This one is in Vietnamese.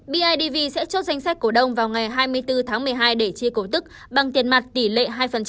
bidv sẽ chốt danh sách cổ đông vào ngày hai mươi bốn tháng một mươi hai để chi cổ tức bằng tiền mặt tỷ lệ hai